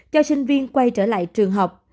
cho sinh viên quay trở lại trường học